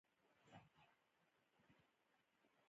د افغانستان طبیعت له وادي څخه جوړ شوی دی.